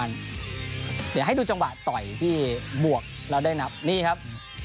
เดี๋ยวให้ดูจังหวะต่อยที่บวกแล้วได้นับนี่ครับ